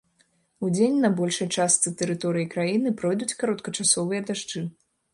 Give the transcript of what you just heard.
Удзень на большай частцы тэрыторыі краіны пройдуць кароткачасовыя дажджы.